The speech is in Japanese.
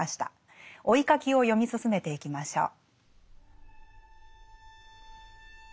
「追ひ書き」を読み進めていきましょう。